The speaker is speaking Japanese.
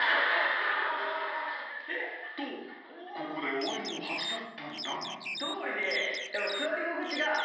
［とここで終わりのはずだったのだが］